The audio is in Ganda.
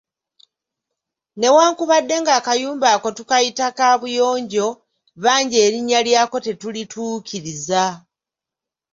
Newankubadde ng'akayumba ako tukayita kaabuyonjo, bangi erinnya lyako tetulituukiriza.